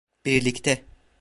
Birlikte.